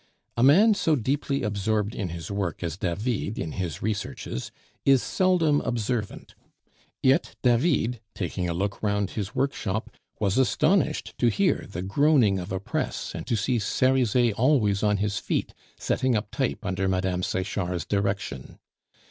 A man so deeply absorbed in his work as David in his researches is seldom observant; yet David, taking a look round his workshop, was astonished to hear the groaning of a press and to see Cerizet always on his feet, setting up type under Mme. Sechard's direction.